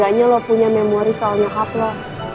aku punya memori soal nyokap lo